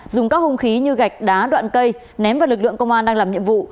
dùng các hung khí như gạch đá đoạn cây ném vào lực lượng công an đang làm nhiệm vụ